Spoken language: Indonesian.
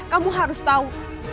kamu harus tau